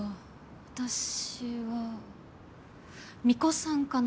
私は巫女さんかな。